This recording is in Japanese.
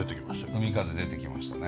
海風出てきましたね。